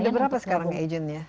ada berapa sekarang agentnya